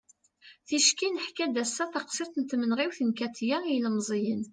ticki neḥka-d ass-a taqsiḍt n tmenɣiwt n katia i yilmeẓyen